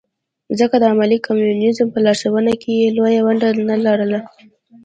ځکه د عملي کمونیزم په لارښوونه کې یې لویه ونډه نه لرله.